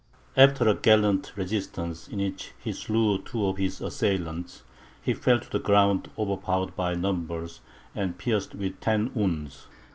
After a gallant resistance, in which he slew two of his assailants, he fell to the ground overpowered by numbers, and pierced with ten wounds.